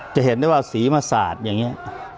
จะเห็นได้ว่าสีมาสาดอย่างนี้